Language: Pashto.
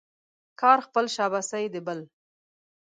کار خپل ، شاباسي د بل.